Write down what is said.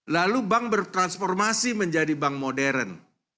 lalu bank bertransformasi menjadi bank modern